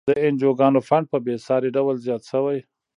د انجوګانو فنډ په بیسارې ډول زیات شوی.